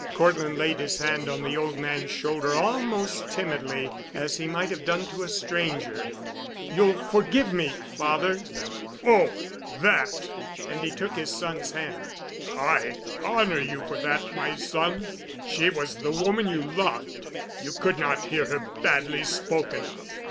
Cortland laid his hand on the old man's shoulder almost timidly, as he might have done to a stranger. "You'll forgive me, father——?" "Oh, that"—and he took his son's hand—"I honor you for that, my son. She was the woman you loved. You could not hear her badly spoken of.